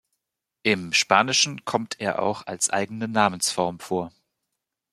Im Spanischen kommt er auch als eigene Namensform vor.